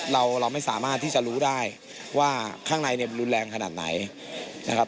เราเราไม่สามารถที่จะรู้ได้ว่าข้างในเนี่ยมันรุนแรงขนาดไหนนะครับ